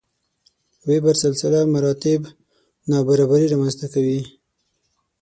وېبر سلسله مراتب نابرابري رامنځته کوي.